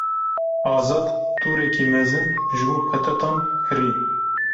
Azad tûrekî mezin ji bo petatan kirî.